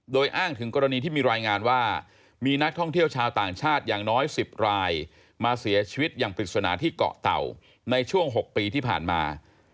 โดยอ้างถึงกรณีที่มีรายงานว่ามีนักท่องเที่ยวชาวต่างชาติอย่างน้อย๑๐รายมาเสียชีวิตอย่างปริศนาที่เกาะเต่าในช่วง๖ปีที่ผ่านมา